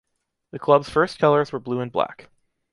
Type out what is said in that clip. The club's first colors were blue and black.